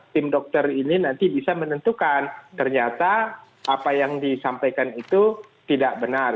tim dokter ini nanti bisa menentukan ternyata apa yang disampaikan itu tidak benar